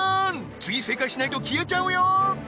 次正解しないと消えちゃうよ